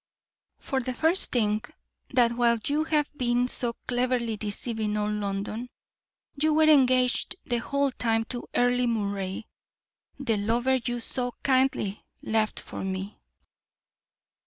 "For the first thing, that while you have been so cleverly deceiving all London, you were engaged the whole time to Earle Moray, the lover you so kindly left for me."